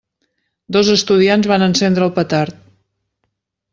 Dos estudiants van encendre el petard.